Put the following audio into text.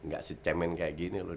gak secemen kayak gini loh